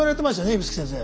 指宿先生。